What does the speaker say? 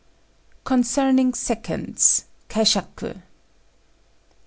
CONCERNING SECONDS (KAISHAKU).